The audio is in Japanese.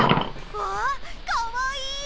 わあかわいい！